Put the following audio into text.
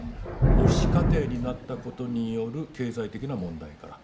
「母子家庭になったことによる経済的な問題から」